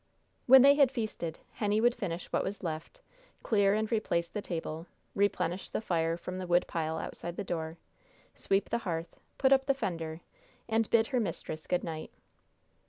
When they had feasted, Henny would finish what was left, clear and replace the table, replenish the fire from the wood pile outside the door, sweep the hearth, put up the fender, and bid her mistress good night.